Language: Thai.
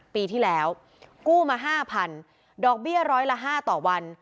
ปีที่แล้วกู้มาห้าพันดอกเบี้ยร้อยละห้าต่อวัน